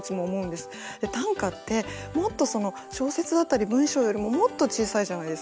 短歌ってもっと小説だったり文章よりももっと小さいじゃないですか。